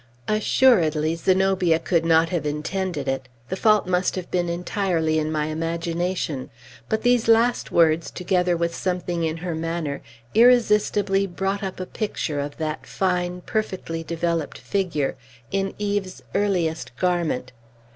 Assuredly Zenobia could not have intended it, the fault must have been entirely in my imagination. But these last words, together with something in her manner, irresistibly brought up a picture of that fine, perfectly developed figure, in Eve's earliest garment.